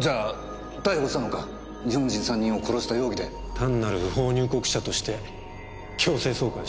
単なる不法入国者として強制送還した。